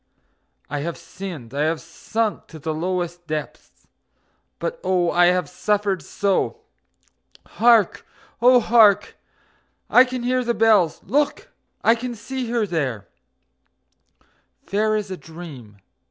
I have sinned, I have sunk to the lowest depths but oh, I have suffered so! Hark! Oh, hark! I can hear the bells!... Look! I can see her there, Fair as a dream...